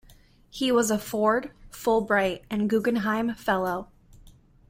He was a Ford, Fulbright and Guggenheim Fellow.